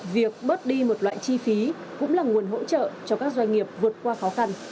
việc bớt đi một loại chi phí cũng là nguồn hỗ trợ cho các doanh nghiệp vượt qua khó khăn